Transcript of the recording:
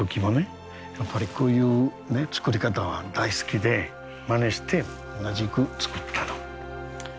やっぱりこういう作り方は大好きでまねして同じく作ったの。